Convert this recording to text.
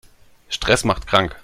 Stress macht krank.